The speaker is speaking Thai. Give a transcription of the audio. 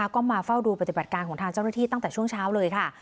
ก็มาเฝ้าดูปฏิบัติการของทางเจ้าหน้าที่ตั้งแต่ช่วงเช้าเลยค่ะ